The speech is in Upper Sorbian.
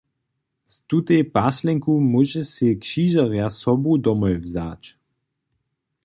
Z tutej paslenku móžeš sej křižerja sobu domoj wzać.